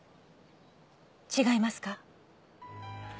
違いますか？